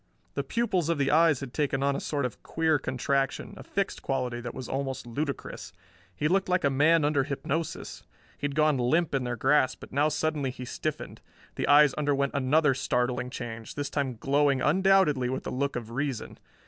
The pupils of the eyes had taken on a sort of queer contraction, a fixed quality that was almost ludicrous. He looked like a man under hypnosis. He had gone limp in their grasp, but now suddenly he stiffened. The eyes underwent another startling change, this time glowing undoubtedly with the look of reason.